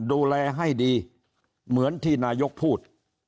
ดูแลให้ดีเหมือนที่นายกพูด